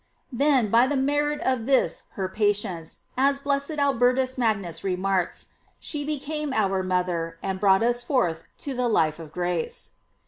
Then, by the merit of this her patience, as blessed Albertus Magnus remarks, she became our mother, and brought us forth to the life of grace.